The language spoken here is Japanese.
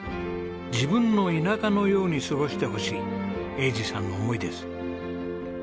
自分の田舎のように過ごしてほしい栄治さんの思いです。